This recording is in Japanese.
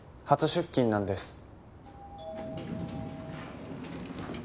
初出勤なんです。